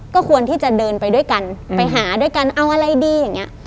ก็ควรที่จะเดินไปด้วยกันไปหาด้วยกันเอาอะไรดีอย่างเงี้ย